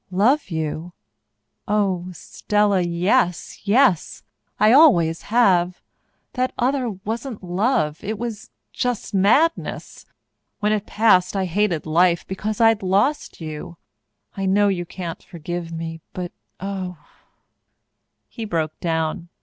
"Love you oh, Estella, yes, yes! I always have. That other wasn't love it was just madness. When it passed I hated life because I'd lost you. I know you can't forgive me, but, oh " He broke down.